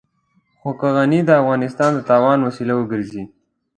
خو که غني د افغانستان د تاوان وسيله وګرځي.